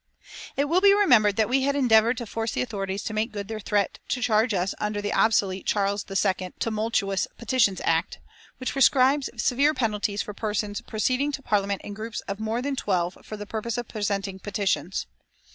It will be remembered that we had endeavoured to force the authorities to make good their threat to charge us under the obsolete Charles II "Tumultuous Petitions Act," which prescribes severe penalties for persons proceeding to Parliament in groups of more than twelve for the purpose of presenting petitions.